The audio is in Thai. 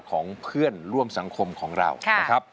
ของเพื่อนร่วมสังคมของเรานะครับ